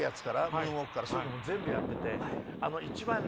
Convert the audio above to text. ムーンウオークからそういうのも全部やってて。